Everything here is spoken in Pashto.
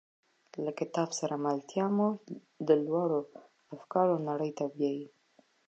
له کتاب سره ملتیا مو د لوړو افکارو نړۍ ته بیایي.